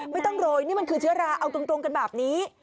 ไม่ต้องโรยนี่มันคือเชื้อราเอาตรงกันแบบนี้